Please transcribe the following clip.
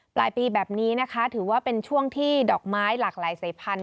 ปลายปีแบบนี้นะคะถือว่าเป็นช่วงที่ดอกไม้หลากหลายสายพันธุ